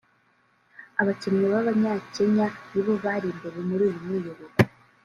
abakinnyi b’Abanyakenya nibo bari imbere muri uyu mwiyereko